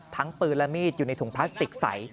ทั้งปืนและมีดอยู่ในถุงพลาสติกใส